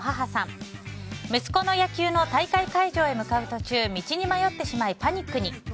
息子の野球の大会会場に向かう途中道に迷ってしまいパニックに。